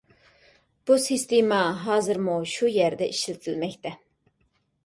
بۇ سىستېما ھازىرمۇ شۇ يەردە ئىشلىتىلمەكتە.